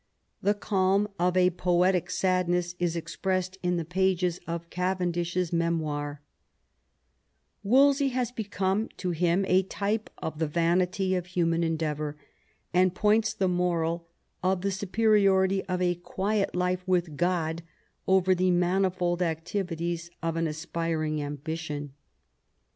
The calm of a poetic sadness is expressed in the pages of Cavendish's Memoir, Wolsey has become to him a type of the vanity of human endeavour, and points the moral of the superiority of a quiet life with God over the mani fold activities of an aspiring ambition.